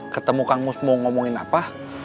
ketemu kang mus mau ngomongin apa